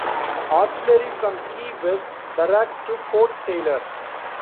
Artillery from Key West Barracks to Fort Taylor.